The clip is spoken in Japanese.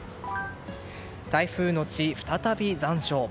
台風のち再び残暑。